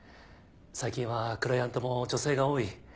最近はクライアントも女性が多い。